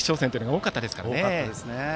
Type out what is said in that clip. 多かったですね。